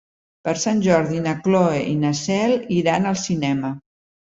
Per Sant Jordi na Cloè i na Cel iran al cinema.